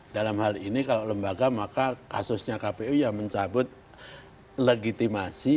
dalam hal ini kalau lembaga maka kasusnya kpu ya mencabut legitimasi